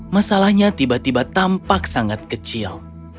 masalahnya tiba tiba tampak sangat kecil